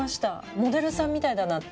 モデルさんみたいだなって」